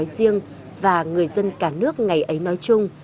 nói riêng và người dân cả nước ngày ấy nói chung